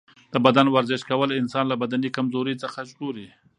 د بدن ورزش کول انسان له بدني کمزورۍ څخه ژغوري.